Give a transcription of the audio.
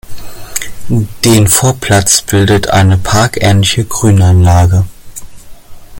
Den Vorplatz bildet eine parkähnliche Grünanlage.